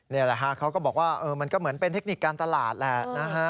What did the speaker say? นี่แหละฮะเขาก็บอกว่ามันก็เหมือนเป็นเทคนิคการตลาดแหละนะฮะ